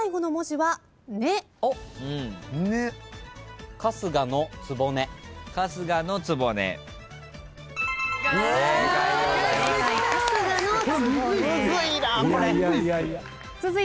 はい。